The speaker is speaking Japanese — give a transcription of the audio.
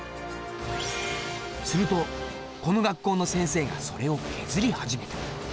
するとこの学校の先生がそれを削り始めた！